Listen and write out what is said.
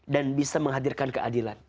dan bisa menghadirkan keadilan